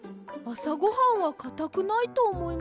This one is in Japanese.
あさごはんはかたくないとおもいます。